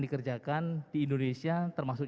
dikerjakan di indonesia termasuk